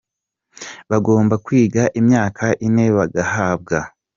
bagomba kwiga imyaka ine bagahabwa.